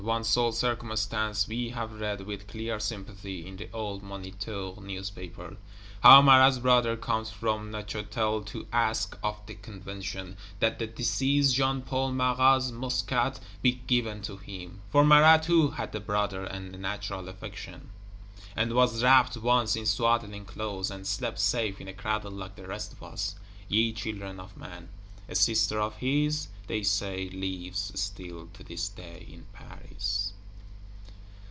One sole circumstance we have read with clear sympathy, in the old Moniteur Newspaper: how Marat's Brother comes from Neuchâtel to ask of the Convention, "that the deceased Jean Paul Marat's musket be given to him." For Marat too had a brother and natural affections; and was wrapped once in swaddling clothes, and slept safe in a cradle like the rest of us. Ye children of men! A sister of his, they say, lives still to this day in Paris.